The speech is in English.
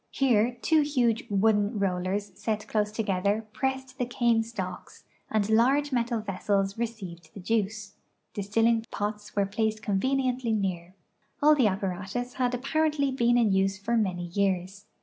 Here two huge wooden rollers set close to gether pressed the cane stalks and large metal ve.ssels received the juice. Distilling pots were placed convenient!}'' near. All the apparatus had apparently been in use for many years.